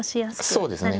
そうですね。